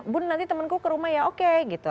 bun nanti temenku ke rumah ya oke gitu